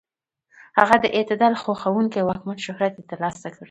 هغه د اعتدال خوښونکي واکمن شهرت یې تر لاسه کړ.